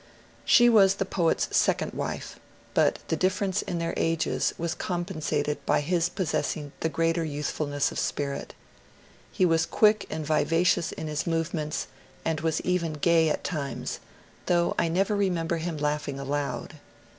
She was the poe't's second wife, but the difference in their ages was compensated by his possessing the greater youthful ness of spirit. He was quick and vivacious in his movements, and was even gay at times, though I never remember him laughing aloud.